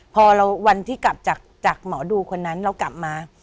พอวันที่กลับจากหมอดูคนนั้นเรากลับมา